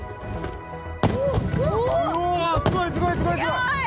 すごいすごいすごいすごい！